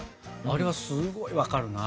あれはすごい分かるな。